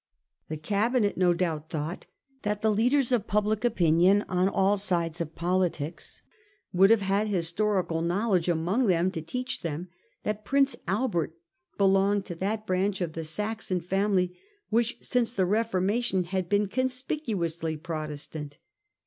The Cabinet no doubt thought that the leaders of public opinion on all sides of politics would have had historical know ledge among them to teach them that Prince Albert belonged to that branch of the Saxon family which since the Reformation had been conspicuously Pro testant.